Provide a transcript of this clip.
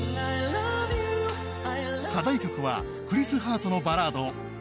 課題曲はクリス・ハートのバラード